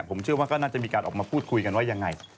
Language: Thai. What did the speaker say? ผมเชื่อว่าก็น่าจะมีการออกมาพูดคุยกันว่ายังไง